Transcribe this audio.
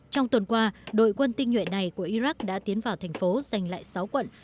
trong tuần qua đội quân tinh nhuệ này của iraq đã tiến vào thành phố dành lại sáu quận